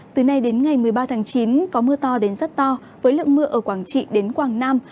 từ nay đến ngày một mươi ba tháng chín có mưa to đến rất to với lượng mưa ở quảng trị đến quảng nam